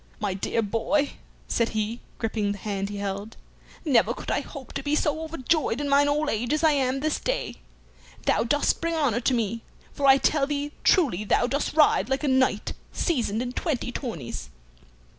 "My dear boy," said he, gripping the hand he held, "never could I hope to be so overjoyed in mine old age as I am this day. Thou dost bring honor to me, for I tell thee truly thou dost ride like a knight seasoned in twenty tourneys."